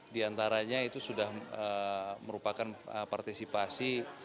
dua ratus diantaranya itu sudah merupakan partisipasi